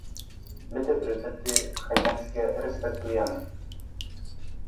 My te priorytety haitańskie respektujemy